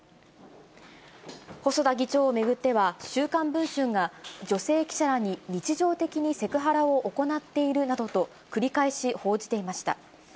細田議長を巡っては、週刊文春が、女性記者らに日常的にセクハラを行っているなどと、繰り返し報じていました。